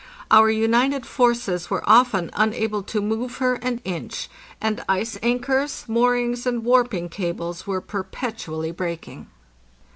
Our united forces were often unable to move her an inch, and ice anchors, moorings, and warping cables were per petually breaking.